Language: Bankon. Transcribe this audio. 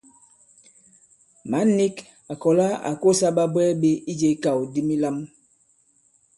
Mǎn nīk à kɔ̀la à kosā ɓabwɛɛ ɓē ijē ikàw di milām.